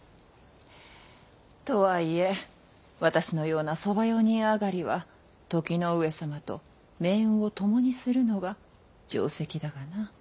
とはいえ私のような側用人上がりは時の上様と命運を共にするのが定石だがな。